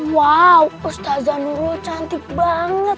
wow ustadz zanurul cantik banget